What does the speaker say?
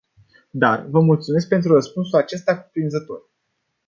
Dar, vă mulțumesc pentru răspunsul acesta cuprinzător.